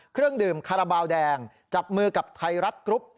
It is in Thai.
เครื่องดื่มคาราบาลแดงจับมือกับไทยรัฐกรุ๊ป